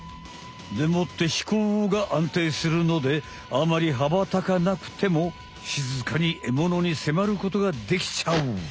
でもって飛行があんていするのであまりはばたかなくてもしずかにエモノにせまることができちゃう。